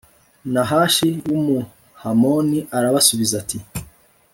nahashi w'umuhamoni arabasubiza ati